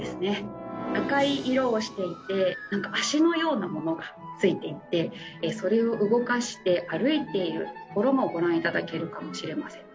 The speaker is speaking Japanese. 赤い色をしていて脚のようなものが付いていてそれを動かして歩いているところもご覧頂けるかもしれません。